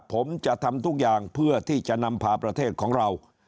ผมจะทำทุกอย่างเพื่อที่จะนำพาประเทศของเรา